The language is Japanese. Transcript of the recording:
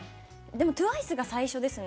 でもＴＷＩＣＥが最初ですね。